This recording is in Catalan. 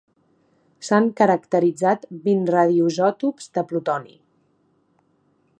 S'han caracteritzat vint radioisòtops de plutoni.